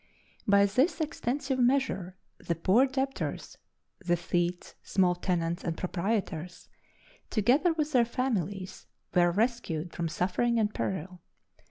By this extensive measure the poor debtors the Thetes, small tenants, and proprietors together with their families, were rescued from suffering and peril.